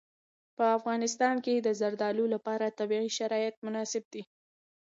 په افغانستان کې د زردالو لپاره طبیعي شرایط مناسب دي.